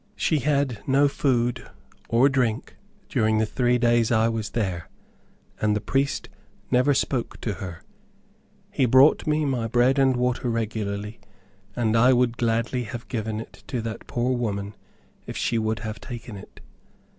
She had no food, or drink, during the three days I was there, and the priest never spoke to her. He brought me my bread and water regularly, and I would gladly have given it to that poor woman if she would have taken it.